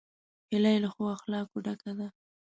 هیلۍ له ښو اخلاقو ډکه ده